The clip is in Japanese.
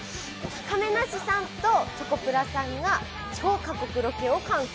亀梨さんとチョコプラさんが超過酷ロケを敢行。